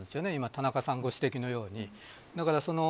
田中さんがご指摘のように。